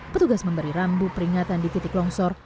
petugas memberi rambu peringatan di titik longsor